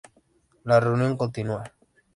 La reunión continúa.